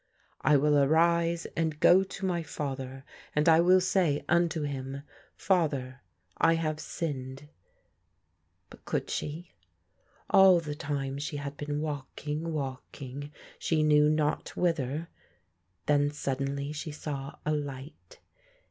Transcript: " I will arise and go to my father and I will say tinto him. Father, I have sinned. ..."* But could she? All the time she had been walking, walking, she knew not whither. Then suddenly she saw a light.